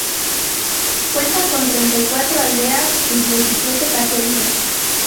Cuenta con treinta y cuatro aldeas y diecisiete caseríos.